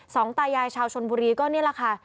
สองตายายชาวชนบุรีก็เนี่ยล่ะค่ะ